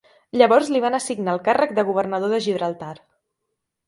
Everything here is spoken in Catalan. Llavors li van assignar el càrrec de governador de Gibraltar.